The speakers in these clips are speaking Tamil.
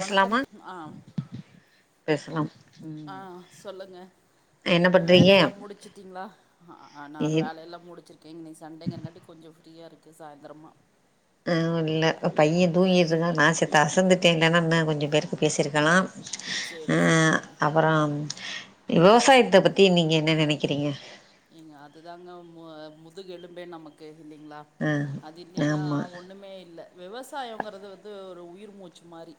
வணக்கம் ம் ஆஹ் பேசலாம் ஆஹ் சொல்லுங்க என்ன பண்றீங்க வேலையெல்லாம் முடிச்சுட்டீங்களா ஆஹ் நானும் வேலையெல்லாம் முடிச்சுருக்கேன் இன்னைக்கு சண்டேங்கிறக்காட்டி கொஞ்சம் ஃப்ரீயா இருக்கு சாய்ந்தரமா ஆஹ் இல்ல பைய தூங்கிட்டு இருந்தா நா செத்த அசந்துட்டே இல்லன்னா இன்னு கொஞ்சம் பேருக்கு பேசிருக்கலாம் சரி ஆஹ் சரிங்க அப்புறம் விவசாயத்த பத்தி நீங்க என்ன நெனக்கிறீங்க ஏங்க அது தாங்க மோ முதுகெலும்பே நமக்கு இல்லைங்களா ஆ அது இல்லினா ஆமா ஒண்ணுமே இல்ல விவசாயம்ங்குறது வந்து ஒரு உயிர் மூச்சு மாரி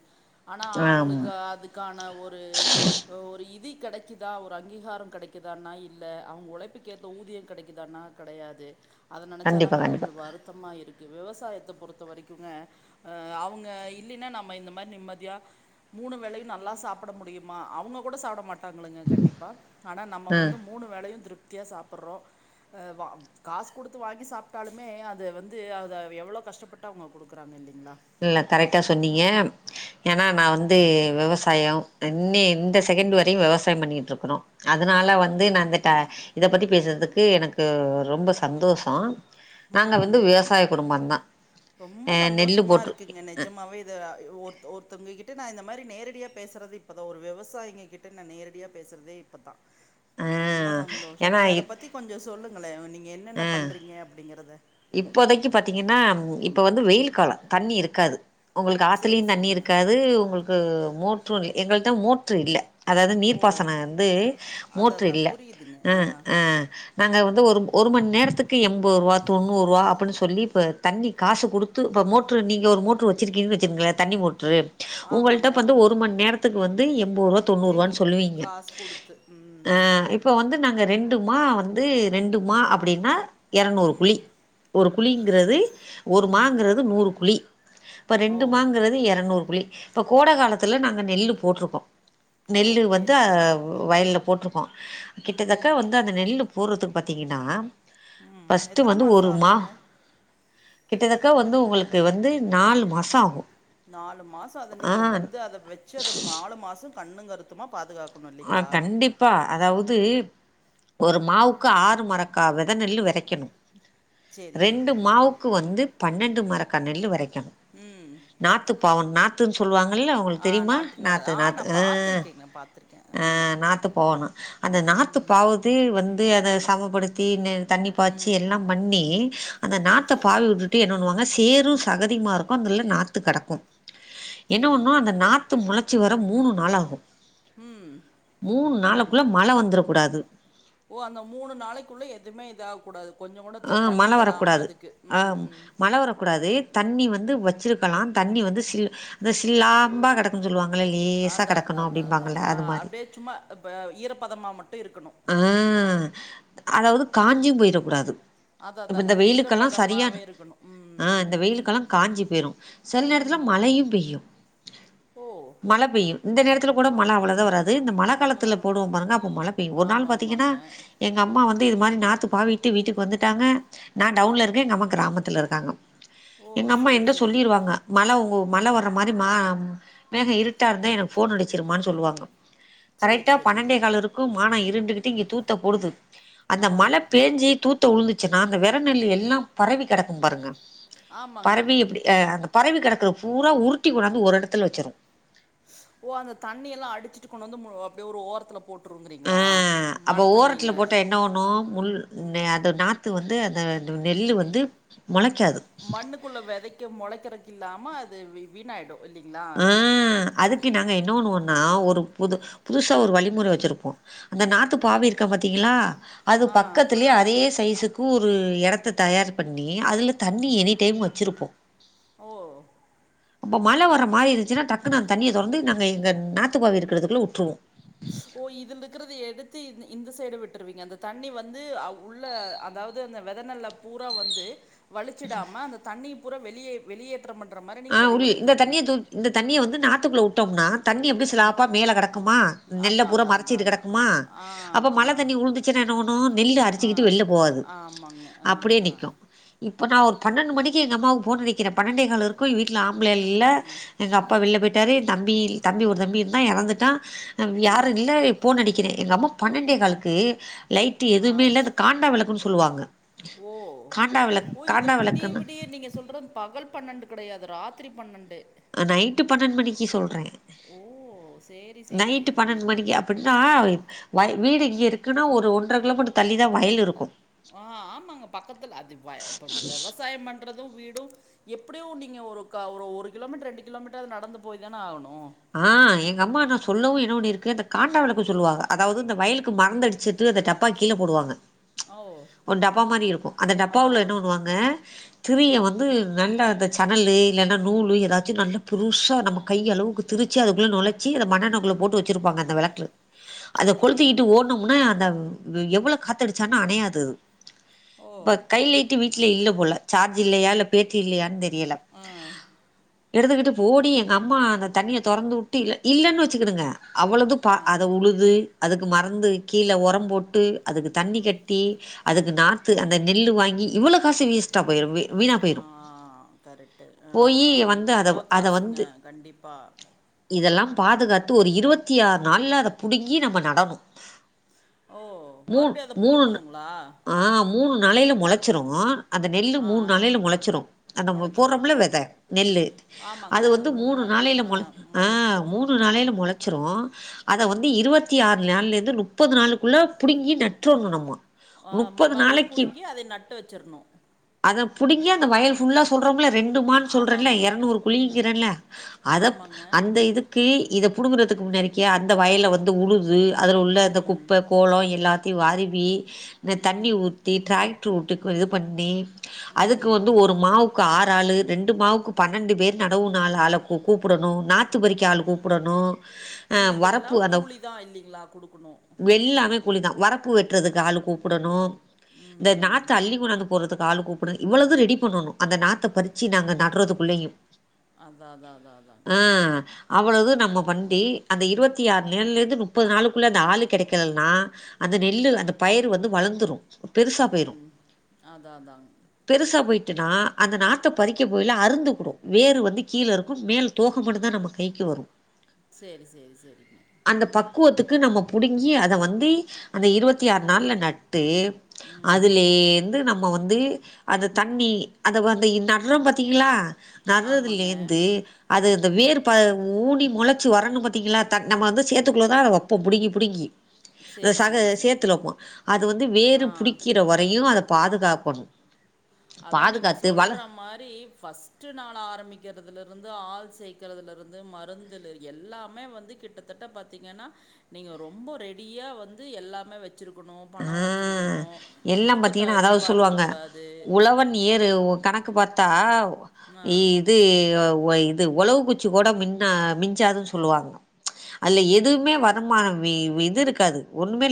ஆனா ஆமா அவுங்களுக்கு அதுக்கான ஒரு ஒரு இதி கெடைக்குதா ஒரு அங்கீகாரம் கெடைக்குதான்னா இல்ல அவுங்க உழைப் புக்கேத்த ஊதியொ கெடைக்குதான்னா கடையாது அத கண்டிப்பா நெனச்சாதாங்க கண்டிப்பா கொஞ்சொ வருத்தமா இருக் விவசாயத்த பொறுத்த வரைக்குங்க ஆ அவுங்க இல்லின்னா நம்ம இந்த மாரி நிம்மதியா மூணு வேலையு நல்லா சாப்ட முடியுமா அவுங்க கூட சாப்ட மாட் டாங்குலுங்க கண்டிப்பா ஆனா நம்ம ம் வந்து மூணு வேலையு திருப் த்தியா சாப்புர்றோ அ வ காஸ் குடுத்து வாங்கி சாப்ட்டாலுமே அத வந்து அத எவ்ளோ கஷ்டப்பட்டு அவுங்க குடுக்குறாங்க இல் இல்ல கரெக்டா சொன்னிங்க ஏன்னா நா வந்து விவசாயொ இன்னி‌ இந்த செகண்ட் வரையு விவசாயம் பண்ணிட்ருக்குறோ அதனால ஒவ்வொரு வந்து நா ரொம்- இந்த ட இத பத்தி பேசுறதுக் க்கு எனக்கு ரொம்ப சந்தோஷொ நாங்க வந்து ம் விவசாய குடும்பொந்தா ரொம்ப சந்தோஷமா இருக் குங்க நெஜமாவே இத ஒருத் ஒருத்தவ்ங்க கிட்ட நா இ இந்த மாரி நேரடியா பேசுறது இப்போதா ஒரு விவசாயிங்கக்கிட்ட நா நேரடியா பேசுறதே இப்பதா ஆ ரொம்ப சந்தோஷொ ஏன்னா நீங்க இப் அதப் பத்தி கொஞ்சொ சொல்லுங்களே நீங்க என்னென்ன பண்றீங்க அப்டிங்கறத இப்போதைக்கி பாத்தீங்கன்னா இப்ப வந்து வெயில் காலொ தண்ணி இருக்காது உங்களுக்கு ஆத்துலையு சரி தண்ணி சரிங்க இருக்காது உங்களுக்கு மோட் [unintelligible] எங்கள்ட்ட மோட்ரு இல்ல அதாவ்து ஓ நீர்ப்பாசனொ வந்து அதா மோட்ரு அதா இல்ல புரியுதுங்க அ ஆ நாங்க வந்து ஒரு ஒரு மண் நேரத்துக்கு எம்பருவா தொண்ணூருவா அப்டின் சொல்லி இப்போ தண்ணி காசு குடுத்து இப்போ மோட்ரு நீங்க ஒரு மோட்ரு வச்சுருக்கீங்கன் வச்சுக்குங்கள தண்ணி மோட்ரு உங்கள்ட்ட ஆமாங்க இப்ப வந்து ஒரு மண் நேர துக்கு வந்து எம் பருவா எங்கி தொண்ணூறுவானு சொல்லுவீங்க காசு குடுத்து ஆ ம் இப்ப வந்து நாங்க ரெண்டு மா வந்து ரெண்டு மா அப்டின்னா எரநூறு குலி ம் ப குலிங்கிறது ஒரு ம் மாங்குறது நூறு குலி இப்ப ஓ ரெண்டு மாங்குறது எரநூறு குலி இப்ப கோட காலத்துல நாங்க நெல்லு போட்டுருக்கோ ஓ நெல்லு வந்து சேரி ஆ சேரிங்க வ வயல்ல போட்டுருக்கோ ம் கிட்டத்தக்க வந்து அந்த நெல்லு பூறதுக்கு பாத்தீங்கன்னா ஃபர்ஸ்ட்டு மா மாச ஆகுங்கே கிட்டத்தக்க வந்து உங்குளுக்கு வந்து நாலு மாச ஆகோ நாலு மாசோ அத நீங்க வந்து அத வச்சு அத ம நாலு மாசோ கண்ணுங்கருத்துமா ஆ கண்டிப்பா அதாவது ஒரு மாவுக்கு ஆறு மரக்கா வெதநெல்லு வெதைக்கணு சேரி ரெண்டு சேரிங்க மாவுக்கு வந்து பன்னெண்டு மரக்கா நெல்லு வரை ய ம் நாத்து பௌவுன் நா த்து சொல்லுவாங்க ஆ நாட்டு நடு ஆ நா பாத்திருக்கேங்க பாத்திருக்கே ஆ த நாத்து பாவனா அந்த நாத்து ம் பாவதீ வந்து அத சமப்படுத்தி நெல் தண்ணி பாய்ச்சு ம் எல்லா பண்ணி அந்த நாத்த பாவி சேரிங் விட்டுட்டு என்னண்ணுவாங்க தேரு சகதியுமா இருக்கோ அங்கள நாத்து கடக்கோ என்ன சேரிங்க பண்ணோ அந்த நாத்து முளை ச்சி வர மூனு நாளாகோ ம் மூனு நாளோம் ள்ள மழ வந்துரக் கூடாது ஓ அந்த மூனு நாளைக்குள்ள எதுமே இதாக கூடாது ஆ மழ வரக்கூடாது ஆம் ம் மழ வரக்கூடாதே தண்ணி வந்து வச்சிருக்கலா தண்ணி வந்து சில் அ சில்லாம்பா கெடக்குன்னு சொல்லுவாங்க அதா அதா அதா அதா ஆ மாரி அப்டே சும்மா அப்ப ஈரப்பதமா மட் ட்டு இருக்கணோ ஆ அதாவது காஞ்யு போயிரக் கூடாது அதான் அதாங்க இப்பெந்த இந்த வெயிலுக்கெல்லா சரியான ஈரப்பதமாவே இருக்கணும் ம் ஆ இந்த ம் வெயிலுக்கெல்லா காஞ்சு போயிரோ சில நேரத்துல ம் மழையு பெய்யு ஓ மழ பெய்யு இந்த நேரத் துல கூட மழ அவுளதா வராது து இந்த மழ ஆ காலத்தல போடுவோ பாருங்க அப்ப மழ ஒரு நாள் ஆமாம் பாத்தீங்கன்னா ஆமாங்க எங்க அம்மா வந்து இது மாரி நா நாத்து பாவிட்டு வீட்டுக்கு வந்துட்டாங்க நான் டவுன்ல இருக்கே எங்கம்மா கிராமத்துல இருக்காங்க ஓ எங்க அம்மா சரி என்ட சரிங்க சொல்லிருவாங்க மழ ஓ மழ வர்ற மாரி மா மேக இருட்டா இருந்தா எனக்கு இருக்கு ஃபோன் அடிச்சிருமான்னு சொல்லுவாங்க சொல்லுவாங்க சரி கரெக்டா சரிங்க பன்னேடேகால் இருக்கு மானா இருண்டுகிட்டு இங்க தூத்த போடுது அந்த ஆ மழ பேஞ்சி தூத் த்து உழுந்துச்சுன்னா அந்த வெரநெல்லி எல்லாம் பரவி கெடக்கும் பாருங்க ஆமாங்க பரவி எப்பிடி அ அந்த பரவி கெடக்குற பூரா உருட்டி கொண்டாந்து ஒர் எடத்துல வச்சரு ஓ அந்த தண்ணி எல்லா அடிச்சுட்டு கொண்டு வந்து மு அப்பிடியே ஒரு ஓரத்துல அ அப்ப ஓரத்துல போட்டா என்ன பண்ணு முள் ம் அது நா த்து வந்து அத அந்த நெல்லு வந்து மொளைக்காது மண்ணுக்குள்ள வெதைக்க மொளைக்கிறக் இல்லாம அது வீ வீணாயிடும் ஆ அதுக்கு நாங்க இன்னொன்னு ஒண்ணு நா ஒரு புது புதுசா ஒரு வழிமுறை வச்சிருப்போம் அந்த நாத்து பாவ இருக்க பாத்தீங்களா அது ஆ பக்கத்திலேயே அதே தைசுக்கு ஒரு எடத்த தயார் பண்ணி அதுல தண்ணி எனி டைம் வச்சிருப்போம் ஓ அப்ப மழை வர மாரி இருந்துச்சினா டக்குனு அந்த தண்ணிய தொறந்து நாங்க எங்க நாத்துப்பாத இருக்குறதுக்குள்ள விட்ருவோம். ஓ இதுல இருக்கறத எடுத்து இந்த இந்த சைடு விட்டுருவீங்க அந்த தண்ணி வந்து அ உள்ள அதாவது அந்த வெத நெல்ல பூரா வந்து வழிச்சிடாம அந்த தண்ணி பூரா வெளியே வெளியே ஆ, உடு இந்த தண்ணிய தூ இந்த தண்ணிய வந்து நாத்துக்குள்ள வுட்டோம்னா தண்ணி அப்டி ம் ஸ்லாப்பா மேல கடக்குமா, நெல்ல அதா பூரா அதா அதா மறைச்சிக்கிட்டு அதா கடக்குமா ஆ அப்போ மழ ஆ தண்ணி உழுந்துச்சினா என்ன பண்ணு நெல் ஆ அரிச்சிக்கிட்டு வெளில போவாது ஆமாங்க ஆ அப்டியே ஆ நிக்கும், இப்போ நா ஒரு பன்னெண்டு மணிக்கு எங்க அம்மாவு போன் அடிக்கிற பன்னண்டேகால் இருக் போய் வீட்ல ஆம்பளயாள் ம் இல்ல ம் எங்க அப்பா வெளில போய்ட் பெரிய தம்பி தம்பி ஒரு தம்பி இருந்தா எறந்துட்டா. நம் ம் யாரு இல்ல ஃபோன் அடி க்கிறே எங்க அம்மா பன்னண்டேகால்க்கு லைட்டு ஆ எதுமே இல்ல அது அடிச்சு காண்டா வெளக்குன்னு சொல்லுவாங்க, ஓ காண்டா வெளக் ஓ இதுல காண்டா விடிய வெளக்குன்னு விடிய நீங்க சொல்றது பகல் பன்னெண்டு கெடையாது ராத்திரி பன்னெண்டு அ, நைட்டு பன்னெண்ட் மணிக்கு சொல்றே ஓ சேரி சேரி நைட்டு் சேரிங்க பன்னெண்ட் மணிக்கு அப்பிட்ன்னா வை வீடு இங்கிருக்குன்னா ஒரு ஒன்ற கிலோமீட்டர் தள்ளி தா வயல் இருக்கு ஆஹ் ஆமாங்க பக்கத்துல அது வய ப்ப விவசாயோ பண்ற து வீடு எப்புடியு நீங்க ஒரு கா ஒரு ஒரு கிலோமீட்டர் ரெண்டு கிலோமீட்டராது நடந்து போயி தான ஆகணு ஆஹ் எங்க அம்மா நா சொல்லவு என்ன பண்ணிருக் கு அந்த காண்டா வெளக்கு சொல்லுவாக அதாவது இந்த வயலுக்கு மருந் அடிச்சுட்டு அந்த டப்பா கீழ போடுவாங்க ஓ ஒரு டப்பா மாரி இருக்கு அந்த ஆ டப்பாவ்ல என்ன பண்ணுவாங்க திரிய ம் வந்து நல்லா அந்த சணலு இல்லன்னா நூலு ஏதாச்சு நல்லா பெருசா நம்ம கை அளவுக்கு திருச்சு அதுக்குள்ளே நொழச்சி அத மண்ணெண்ணக்குள்ள போட்டு வச்சருப்பாங்க அந்த வெளக்கு அத சேரிங்க கொளுத்திக்கிட்டு ஓட்னம்னா அந்த இது எவ்வளோ காத்தடிச்சானா அணையாது ஓ ப கை லைட்டு வீ ட்ல இல்ல போல சார்ஜ் இல்லையா இல்ல பேட்ரி இல்லையாந்தெர் ஏலம் ஆ எடுத்துக்கிட்டு போடி எங்கம்மா அங்கத் தனியா தொறந்து உட்டு இல்ல இல்லன் வச்சுக்கிடுங்க அவ்வளது ஆ பா அத உழுது அதுக்கு மருந்து கீழ ஒரம் போட்டு அதுக்கு தண்ணி ம் கட்டி அதுக்கு நாத்து அந்த நெல்லு வாங்கி இவ்வளோ காசு வேஸ்ட்டா போயிரும்மே ஆஹ் கரெட்டு போயி ஆஹ் வந்து அத எவ்வளோ அத காசுங்க வந்து கண்டிப்பா இதெல்லாம் பாதுகாத்து ஒரு இருவத்தி ஆறு நாள்ல அத புடுங்கி நம்ம நடணு ஓ மூ மறுபடியு அத புடுங்கணுங்களா நாளைல மொளச்சிரு அந்த நெல்லு ஆ மூன் நாளைல மொளச்சிரு அது நம்ம முளச்சிரும் போட்றமில்ல வெத நெல்லு ஆமாங்க அது வந்து மூணு நாள் நாளைல ஆ மொள் ஆஹ் முளச்சிரும் மூணு ஆ நாளைல மொளச்சிரு அத வந்து இருவத்தி ஆறு நாள்லருந்து முப்பது நாளுக்குள்ள புடுங்கி நட்றணு நம்ம ஆஹ் ம, முப்பது மறுபடி நாளைக்கு புடுங்கி அதய நட்ட வெச்சர்னு புடிங்கி அந்த வயல் ஃபுல்லா சொல்றோம்ல ரெண்டு மான் சொல்றன்ல ஆமாமாமா எரநூறு குழி ம் கிறன்ல அத ஆமாங்க அந்த இதுக்கு இத புடுங்கறதுக்கு முன்னாடிக்கே அந்த வயல வந்து உழுது அதுல உள்ள அந்த ம் குப்ப கோலம் எல்லாத்தையு வாருவி இந்த ம் தண்ணி ஊத்தி டிராக்ட்ரு உட்டு கு, இது பண்ணி அதுக்கு ம் வந்து ஒரு மாவு ஆறு ஆளு ரெண்டு மாவுக்கு பன்னெண்டு பேர் நடவு நாள் அல கூப் கூப்பிடனும் நாத் வத்து பறிக்க ஆள் கூப்புடனு ஆ வரப்பு இதுக்கெல்லாம் அந்த கூலி தான் இல்லைங்களா குடுக்கணும் வெல்லாமே கூலிதா வரப்பு வெட்றதுக்கு ஆளு கூப்புடனு இந்த ம் நாத்த அள்ளிகோணந்து போட்றதுக்கு ஆளு கூப்படனு இவ்வளவு ரெடி பண்ணனு அந்த நாத்த பறி பறுச்சி நாங்க நடறது குள்ளேயு அதான் அதான் அதான் அதாங்க ஆ அவ்ளோதுவு நம்ம பண்டி அந்த இருவத்தி ஆறு நாள்ல இருந்து முப்பது நாளுக்குள்ள அந்த ஆளு கிடைக்களனா அந்த நெல்லு அந்த பயிர் வந்து வளந்துரு பெருசா போயிரு ம் அதான் அதாங்க பெருசா போயிட் னா அந்த நாத்த பறிக்க போயில அருந்து புடு வேறு வந்து கீழருக்கோ மேல் தோக மட்டும்தா நம்ம கைக்கு வரோ சேரி சேரி சேரி பக்குவத்துக்கு நம்ம புடுங்கி அத வந்து அந்த இருவத்தி ஆறு நாள்ல நட் டு ம் அதுலேந்து நம் நம்ம வந்து அது தண்ணி அந்த வந்து இ நடுறோ பாத்தீங்களா ஆமாங்க நட்றதுலேந்து அது இந்த ம் வேர் ப ஊனி மொளச்சு வரனு பாத்தீங்களா தக் நம்ம வந்து சேத்துக்குள்ளதா அத வேப்போ புடுங்கி புடுங்கி அத சரி சக சரி சரி சேத்துல வேப்போ அது வந்து வேரு ஆ புடிக்கிற வரையு அத பாதுகாக்கணு அதா நீங்க சொல்ற மாரி ஃபஸ்ட் நாள் ஆரம்பிக்கிறதுல இருந் து ஆள் சேக்குறதுல இருந்து மருந்துல எல்லாமே வந்து கிட்டத்தட்ட பாத்தீங்கனா நீங்க ரொம்ப ரெடியா வந்து எல்லாமே வச் வச்சிருக்கணு ஆ பணோ வச்சிருக்கணு எல்லா தூக்கத்த பாத்தீங்கன்னா அதாவது எதிர்பார்க்க சொல்லுவாங்க கூடாது உழவன் ஏறு உ கணக்கு பாத்தா இ அ. இது அவு ஓ இது ஒலவு குச்சி கூட மின்னா மிஞ்சாது சொல்லுவாங்க அதுல எதுவுமே வருமானம் இ இது இருக்காது ஒண்ணுமே லா